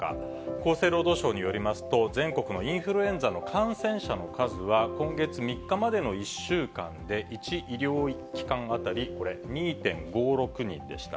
厚生労働省によりますと、全国のインフルエンザの感染者の数は、今月３日までの１週間で、１医療機関当たり２．５６人でした。